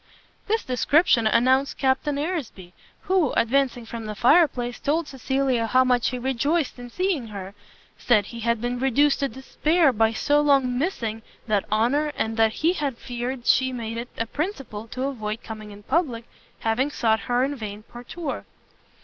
This description announced Captain Aresby; who, advancing from the fire place, told Cecilia how much he rejoiced in seeing her, said he had been reduced to despair by so long missing that honour, and that he had feared she made it a principle to avoid coming in public, having sought her in vain partout.